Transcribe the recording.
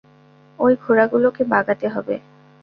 ওই ঘোড়াগুলোকে বাগাতে হবে।